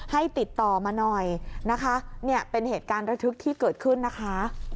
ให้ติดต่อมาหน่อยนะคะเนี่ยเป็นเหตุการณ์ระทึกที่เกิดขึ้นนะคะ